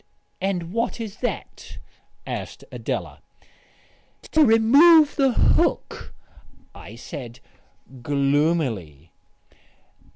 "And what is that?" asked Adela. "To remove the hook," I said gloomily.